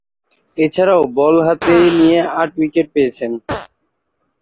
এছাড়াও, বল হাতে নিয়ে আট উইকেট পেয়েছেন।